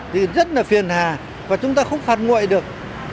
thì rất là phiền hà và chúng ta không phạt nguội được